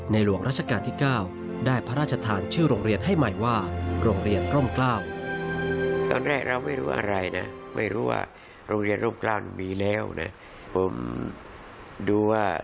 หลวงราชการที่๙ได้พระราชทานชื่อโรงเรียนให้ใหม่ว่าโรงเรียนร่มกล้า